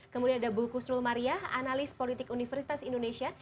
kemudian ada bu kusrul maria analis politik universitas indonesia